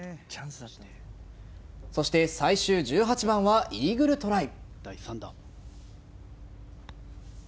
そして最終１８番はイーグルトライ。